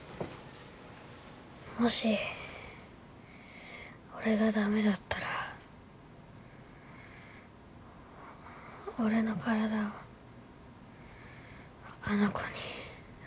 もし俺が駄目だったら俺の体をあの子にあげて。